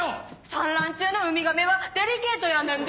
産卵中のウミガメはデリケートやねんで！